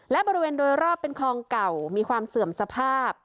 และบริเวณโดยรอบเป็นคลองเก่ามีความเสื่อมสภาพ